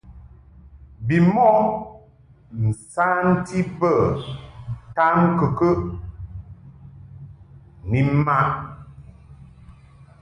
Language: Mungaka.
Bimɔʼ nsanti bə tamkɨkəʼ ni mmaʼ.